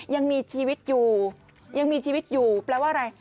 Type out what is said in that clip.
ยังมีชีวิตอยู่ยังมีชีวิตอยู่แปลว่าอะไร